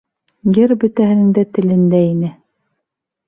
Йыр бөтәһенең дә телендә ине